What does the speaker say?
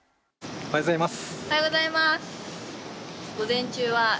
おはようございます。